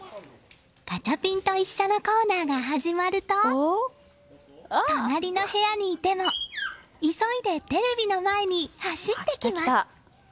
ガチャピンと一緒のコーナーが始まると隣の部屋にいても急いでテレビの前に走ってきます。